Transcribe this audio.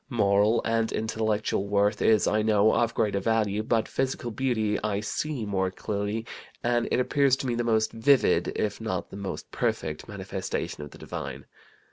Moral and intellectual worth is, I know, of greater value, but physical beauty I see more clearly, and it appears to me the most vivid (if not the most perfect) manifestation of the divine.